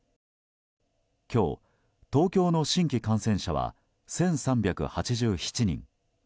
今日、東京の新規感染者は１３８７人。